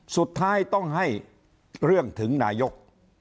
สุดท้ายต้องให้เรื่องถึงนายก